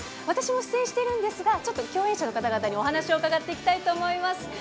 私も出演しているんですがちょっと共演者の方々にお話を伺っていきたいと思います。